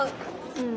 うん。